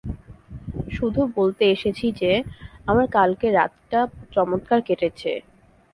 শুধু বলতে এসেছি যে, আমার কালকের রাতটা চমৎকার কেটেছে।